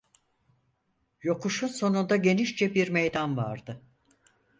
Yokuşun sonunda genişçe bir meydan vardı.